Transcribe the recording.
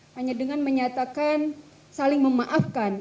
hanya dengan menyatakan saling memaafkan